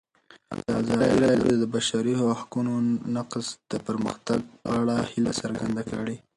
ازادي راډیو د د بشري حقونو نقض د پرمختګ په اړه هیله څرګنده کړې.